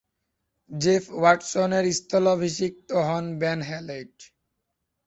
Jeff ওয়াটসনের স্থলাভিষিক্ত হন বেন হ্যালেট।